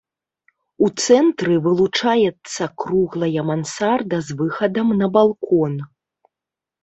У цэнтры вылучаецца круглая мансарда з выхадам на балкон.